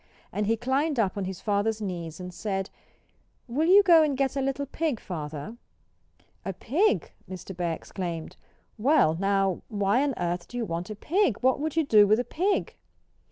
And he climbed up on his father's knees and said "Will you go and get a little pig, Father?" "A pig?" Mr. Bear exclaimed. "Well, now why on earth do you want a pig? What would you do with a pig?"